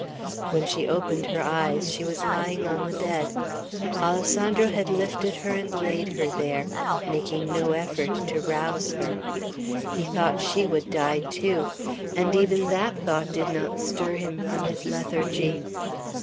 When she opened her eyes, she was lying on the bed. Alessandro had lifted her and laid her there, making no effort to rouse her. He thought she would die too; and even that thought did not stir him from his lethargy.